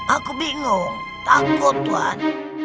aku bingung takut tuhan